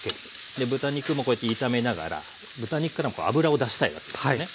で豚肉もこうやって炒めながら豚肉からも脂を出したいわけですよね。